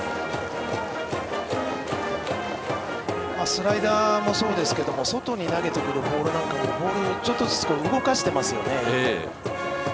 スライダーもそうですけど外に投げてくるボールもちょっとずつ動かしていますね。